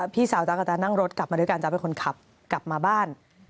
พี่สาวจ๊ะกับจ๊นั่งรถกลับมาด้วยกันจ๊ะเป็นคนขับกลับมาบ้าน